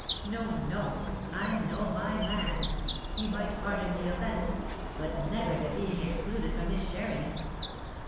No, no! I know my man. He might pardon the offence, but never the being excluded from his share in it."